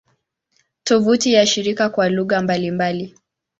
Tovuti ya shirika kwa lugha mbalimbali